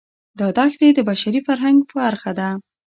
دا دښتې د بشري فرهنګ برخه ده.